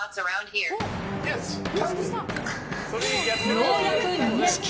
ようやく認識。